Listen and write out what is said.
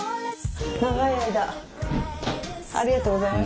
ありがとうございます。